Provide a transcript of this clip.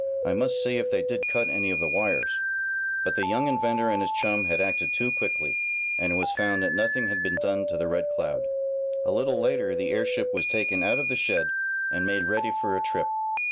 "I must see if they did cut any of the wires." But the young inventor and his chum had acted too quickly, and it was found that nothing had been done to the Red Cloud. A little later the airship was taken out of the shed, and made ready for a trip.